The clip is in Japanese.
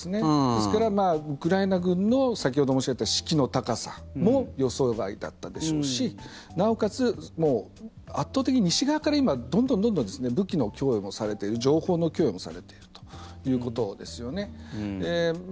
ですから、ウクライナ軍の先ほど申し上げた士気の高さも予想外だったでしょうしなおかつ、圧倒的に西側からどんどん武器の供与もされてる情報の供与もされているということですよね。